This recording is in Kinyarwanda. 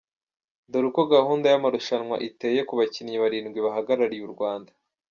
Dore uko gahunda y’amarushanwa iteye ku bakinnyi barindwi bahagarariye Urwanda:.